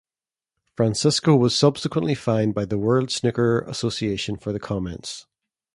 Francisco was subsequently fined by the world snooker association for the comments.